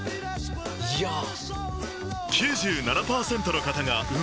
⁉いやぁ。